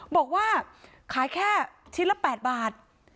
บอกว่าขายแค่ชิ้นละ๘บาท